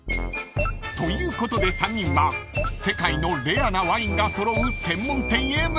［ということで３人は世界のレアなワインが揃う専門店へ向かいます］